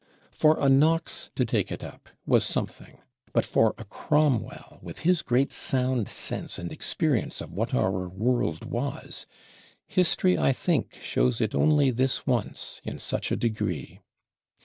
For a Knox to take it up was something; but for a Cromwell, with his great sound sense and experience of what our world was, History, I think, shows it only this once in such a degree.